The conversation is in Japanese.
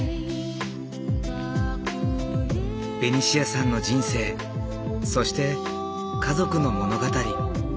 ベニシアさんの人生そして家族の物語。